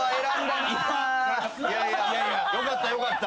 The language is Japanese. ・よかったよかった。